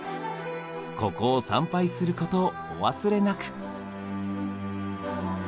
ここを参拝することをお忘れなく。